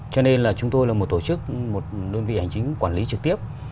cho nên là chúng tôi là một tổ chức một đơn vị hành chính quản lý trực tiếp